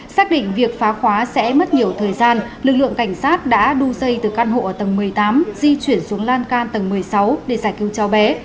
xác định việc phá khóa sẽ mất nhiều thời gian lực lượng cảnh sát đã đu dây từ căn hộ ở tầng một mươi tám di chuyển xuống lan can tầng một mươi sáu để giải cứu cháu bé